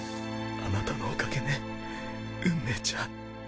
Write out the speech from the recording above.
あなたのおかげね運命ちゃん。